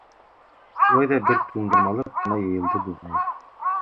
Шулай ҙа бер туңдырма-лыҡ ҡына йыйылды, буғай.